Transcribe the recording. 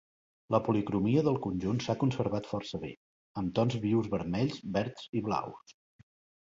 La policromia del conjunt s'ha conservat força bé, amb tons vius vermells, verds i blaus.